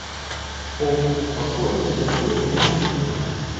Ох, неспакойная натура ён у мяне!